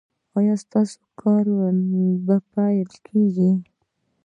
ایا ستاسو کار به پیلیږي؟